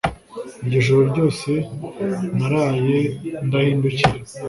Ijoro ryose naraye ndahindukira